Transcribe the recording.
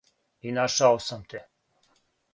И нашао сам те.